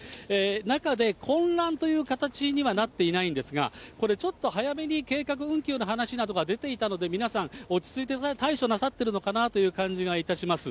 中で混乱という形にはなっていないんですが、これちょっと早めに計画運休の話などが出ていたので皆さん、落ち着いて対処なさっているのかなという感じがいたします。